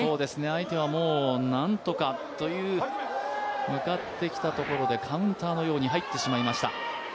相手はもうなんとかという向かってきたところでカウンターのように入ってしまいました。